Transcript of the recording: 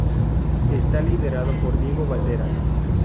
Está liderado por Diego Valderas.